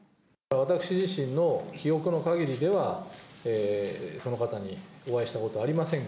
私自身の記憶のかぎりでは、その方にお会いしたことはありません